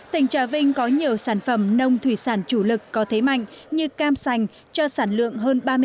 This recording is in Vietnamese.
tỉnh trà vinh có nhiều sản phẩm nông thủy sản chủ lực có thế mạnh như cam sành cho sản lượng hơn